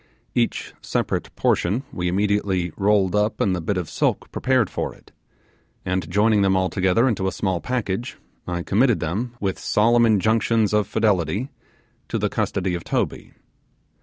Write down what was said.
Each separate portion we immediately rolled up in the bit of silk prepared for it, and joining them all together into a small package, I committed them, with solemn injunctions of fidelity, to the custody of Toby.